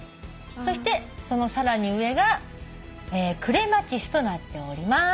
そしてそのさらに上がクレマチスとなっております。